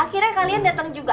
akhirnya kalian dateng juga